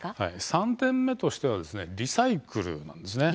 ３点目としてはリサイクルです。